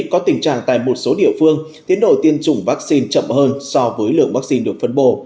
có tình trạng tại một số địa phương tiến độ tiêm chủng vaccine chậm hơn so với lượng vaccine được phân bổ